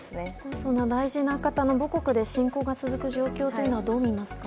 そんな大事な方の母国で侵攻が続く状況をどうみますか？